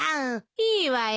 いいわよ。